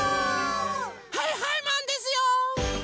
はいはいマンですよ！